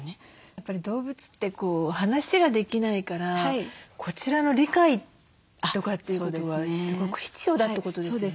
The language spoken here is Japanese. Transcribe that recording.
やっぱり動物って話ができないからこちらの理解とかっていうことはすごく必要だってことですよね？